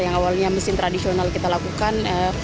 yang awalnya mesin tradisional kita lakukan